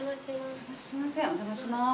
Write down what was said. すいませんお邪魔します。